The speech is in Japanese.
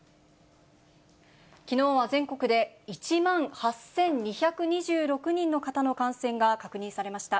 きのうは全国で１万８２２６人の方の感染が確認されました。